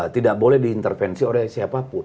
tidak boleh diintervensi oleh siapapun